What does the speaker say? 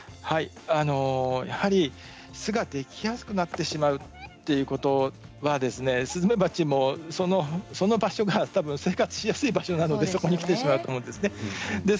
巣ができやすくなってしまうということはスズメバチもその場所がたぶん生活しやすい場所なのでそこに来てしまうと思うんですね。